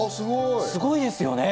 すごいですよね！